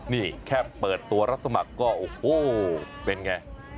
นี่แค่เปิดตัวลักษณะก็โอ้โฮเป็นอย่างไร